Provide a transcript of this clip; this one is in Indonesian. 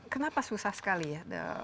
kenapa susah sekali ya